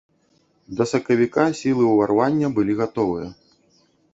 Да сакавіка сілы ўварвання былі гатовыя.